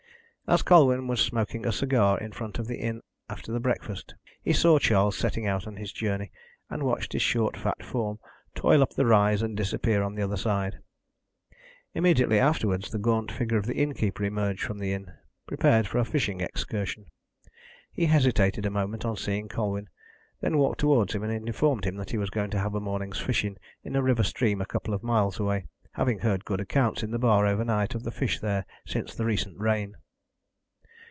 As Colwyn was smoking a cigar in front of the inn after breakfast, he saw Charles setting out on his journey, and watched his short fat form toil up the rise and disappear on the other side. Immediately afterwards, the gaunt figure of the innkeeper emerged from the inn, prepared for a fishing excursion. He hesitated a moment on seeing Colwyn, then walked towards him and informed him that he was going to have a morning's fishing in a river stream a couple of miles away, having heard good accounts in the bar overnight of the fish there since the recent rain.